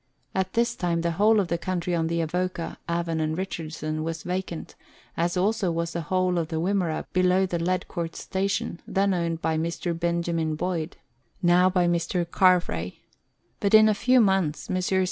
At this time the whole of the country on the Avoca, Avon, and Richardson was vacant, as also was the whole of the Wimmera below the Ledcourt Station, then owned by Mr. Benjamin Boyd, now by Mr. Carfrae ; but in a few months, Messrs.